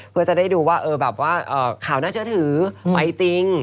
เพื่อจะได้ดูว่าข่าวน่าเชื่อถือไปจริง